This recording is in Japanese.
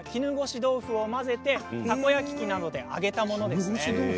豆腐を混ぜて、たこ焼き器などで揚げたものです。